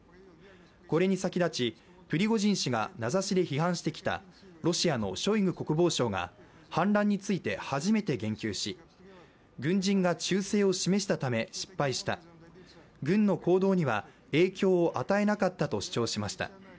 これに先立ち、プリゴジン氏が名指しで批判してきたロシアのショイグ国防相が反乱について初めて言及し、軍人が忠誠を示したため失敗した、軍の行動には、影響を与えなかったと主張しました。